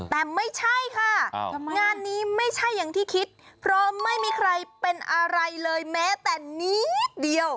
แต่ไม่ใช่ค่ะงานนี้ไม่ใช่อย่างที่คิดเพราะไม่มีใครเป็นอะไรเลยแม้แต่นิดเดียว